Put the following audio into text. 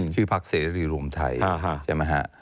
ชื่อพักเสรีรวมไทยใช่ไหมฮะ